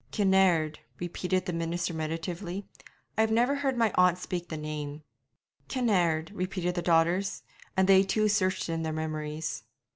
'Kinnaird,' repeated the minister meditatively. 'I never heard my aunt speak the name.' 'Kinnaird,' repeated the daughters; and they too searched in their memories.